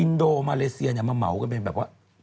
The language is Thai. อินโดมาเลเซียเนี่ยมาเหมากันเป็นแบบว่า